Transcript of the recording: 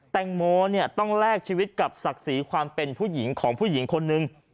แตงโมต้องแลกชีวิตกับศักดิ์ศรีความเป็นผู้หญิงของผู้หญิงคนนึง